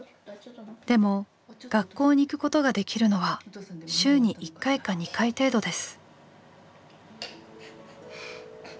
でも学校に行くことができるのは週に１回か２回程度です。